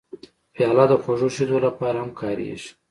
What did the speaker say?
پیاله د خوږو شیدو لپاره هم کارېږي.